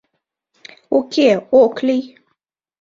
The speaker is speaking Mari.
Уке, ок лий.